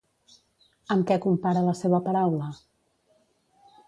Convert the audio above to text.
Amb què compara la seva paraula?